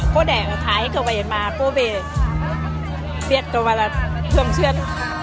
cô đẻ ở thái cơ vầy mà cô về việt cơ vầy là thường xuyên